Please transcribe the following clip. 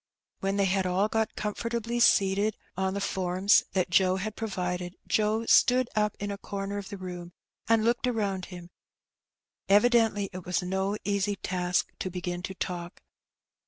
When they had all got comfortably seated on the forms that Joe had provided, Joe stood up in a comer of the room, and looked around him : evidently it was no easy task to begin to talk.